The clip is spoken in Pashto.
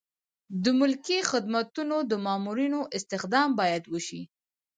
د ملکي خدمتونو د مامورینو استخدام باید وشي.